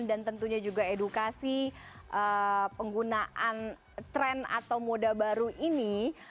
dan tentunya juga edukasi penggunaan tren atau moda baru ini